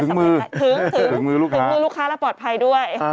ถึงมือลูกค้าส่งมือลูกค้าและปลอดภัยด้วย